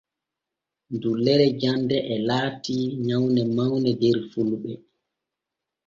Dullere jande e laati nyawne mawne der fulɓe.